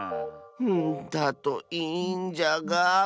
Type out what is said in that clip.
うんだといいんじゃが。